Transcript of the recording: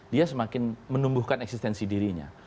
dia semakin menumbuhkan eksistensi dirinya